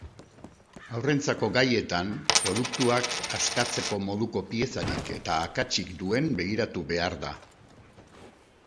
Haurrentzako gaietan, produktuak askatzeko moduko piezarik eta akatsik duen begiratu behar da.